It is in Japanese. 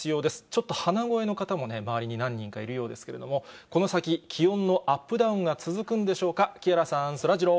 ちょっと鼻声の方も、周りに何人かいるようですけれども、この先、気温のアップダウンが続くんでしょうか。